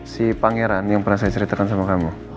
si pangeran yang pernah saya ceritakan sama kamu